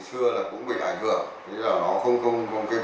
chủ động thời gian nó tốt hơn